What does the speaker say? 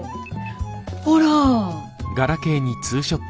ほら。